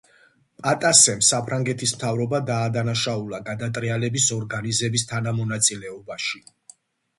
პატასემ საფრანგეთის მთავრობა დაადანაშაულა გადატრიალების ორგანიზების თანამონაწილეობაში.